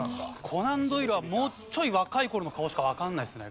コナン・ドイルはもうちょい若い頃の顔しかわからないですね。